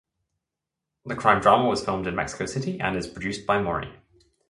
The crime-drama was filmed in Mexico city and is produced by Mori.